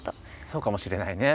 そうかもしれないね。